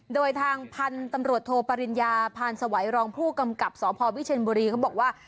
โดยทางพันธุ์ตำรวจโทปริญญาพานสวัยรองผู้กำกับสพวิเชียนบุรีเขาบอกว่า